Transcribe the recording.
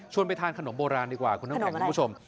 ชวนไปทานขนมโบราณดีกว่าคุณผู้ชม